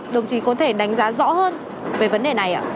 đồng chí có thể đánh giá rõ hơn về vấn đề này ạ